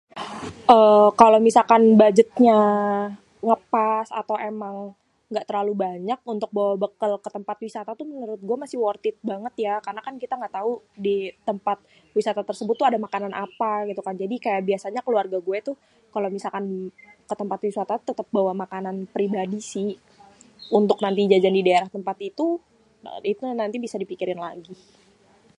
kalo misalkan budgetnya ngepas atau emang ga terlalu banyak untuk bawa bekel ketempat wisata tuh masih worth it banget ya kan kita emang gatau di tempat wisata tersebut ada makanan apa kan jadi biasanya keluarga gue tuh kalo misalkan ketempat wisata tetep bawa makanan pribadi sih, untuk nanti jajan di daerah tempat tuh nnti kan bisa dipikirin lagi.